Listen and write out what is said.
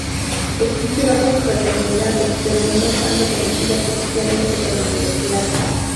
Existen otras fraternidades, pero no están reconocidas oficialmente por la universidad.